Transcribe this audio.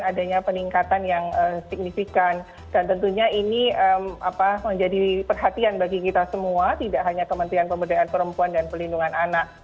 adanya peningkatan yang signifikan dan tentunya ini menjadi perhatian bagi kita semua tidak hanya kementerian pemberdayaan perempuan dan pelindungan anak